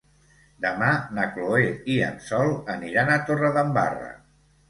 Demà na Chloé i en Sol aniran a Torredembarra.